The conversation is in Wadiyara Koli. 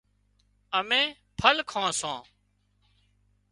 امين ڦل کان سان